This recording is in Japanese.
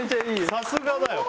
さすがだね。